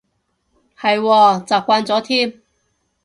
係喎，習慣咗添